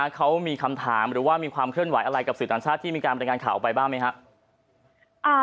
เขามีคำถามหรือว่ามีความเคลื่อนไหวอะไรกับสื่อต่างชาติที่มีการบริการข่าวออกไปบ้างไหมครับ